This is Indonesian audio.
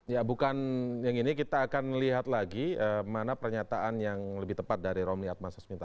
ya bukan yang ini kita akan lihat lagi mana pernyataan yang lebih tepat dari romy atmas